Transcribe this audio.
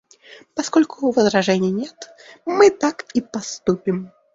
Поскольку возражений нет, мы так и поступим.